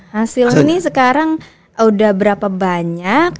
hasil ini sekarang udah berapa banyak